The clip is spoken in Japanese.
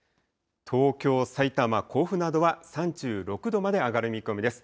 東京、さいたま、甲府などは３６度まで上がる見込みです。